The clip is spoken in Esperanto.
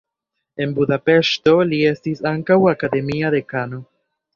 En Budapeŝto li estis ankaŭ akademia dekano.